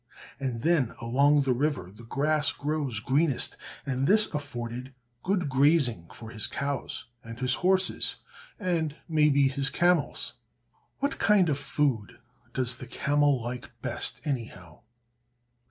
And then along the river the grass grows greenest, and this afforded good grazing for his cows, and his horses, and, may be, his camels. What kind of food does the camel like best, anyhow?